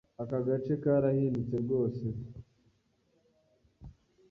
Aka gace karahindutse rwose.